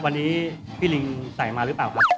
วันนี้พี่ลิงใส่มาหรือเปล่าครับ